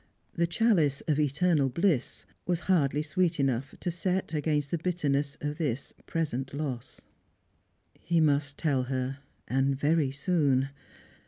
The clialice of eternal bliss waa hardly sweet enough to set against the bitterness of this pre sent loss. Strangers and Pilp'ims. HOi He must tell her, and very soon.